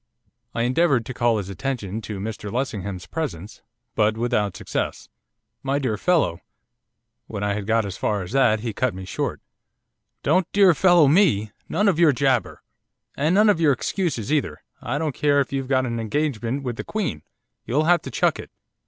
I endeavoured to call his attention to Mr Lessingham's presence, but without success. 'My dear fellow ' When I had got as far as that he cut me short. 'Don't "dear fellow" me! None of your jabber! And none of your excuses either! I don't care if you've got an engagement with the Queen, you'll have to chuck it.